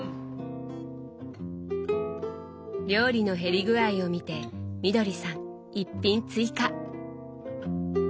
料理の減り具合を見てみどりさん１品追加！